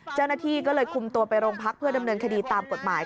เจ้าหน้าที่ก็เลยคุมตัวไปโรงพักเพื่อดำเนินคดีตามกฎหมาย